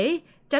tránh dịch bệnh